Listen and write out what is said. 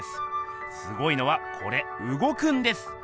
すごいのはこれうごくんです！